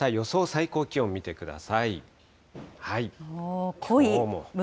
最高気温見てください。